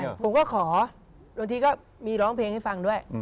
ผมก็ขอบางทีก็มีร้องเพลงให้ฟังด้วย